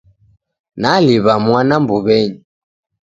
Naliw'a mwana mbuw'enyi